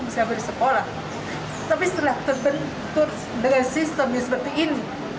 tapi setelah terbentur dengan sistemnya seperti ini